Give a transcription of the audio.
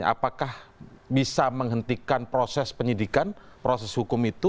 apakah bisa menghentikan proses penyidikan proses hukum itu